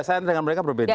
saya dengan mereka berbeda